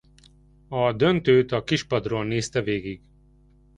A döntőt a kispadról nézte végig.